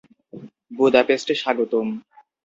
বুদাপেস্টে স্বাগতম!